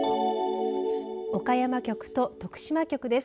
岡山局と徳島局です。